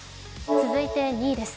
続いて２位です。